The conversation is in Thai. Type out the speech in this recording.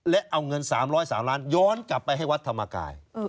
และเอาเงิน๓๐๓ล้านย้อนกลับไปให้วัดธรรมกาย